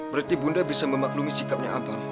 berarti bunda bisa memaklumi sikapnya abal